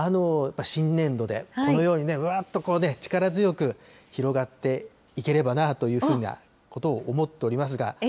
新年度で、このようにね、うわーっとこうね、力強く広がっていければなというふうなことを思っておりますが。